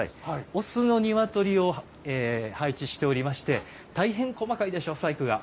オスの鶏を配置しておりまして大変細かいでしょ、細工が。